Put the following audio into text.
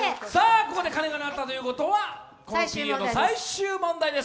ここで鐘が鳴ったということは、このピリオドが最終問題です。